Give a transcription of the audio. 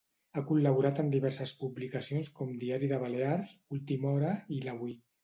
Ha col·laborat en diverses publicacions com Diari de Balears, Última Hora i l'Avui.